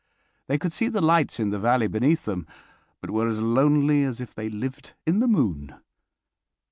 They could see the lights in the valley beneath them, but were as lonely as if they lived in the moon.